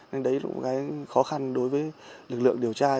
nên đấy là một cái khó khăn đối với lực lượng điều tra